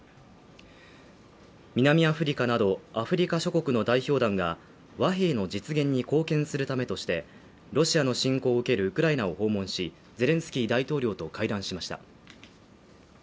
南アフリカなどアフリカ諸国の代表団が和平の実現に貢献するためとしてロシアの侵攻を受けるウクライナを訪問し、ゼレンスキー大統領と会談しました。